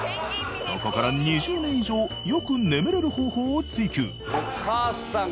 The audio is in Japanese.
そこから２０年以上よく眠れる方法を追求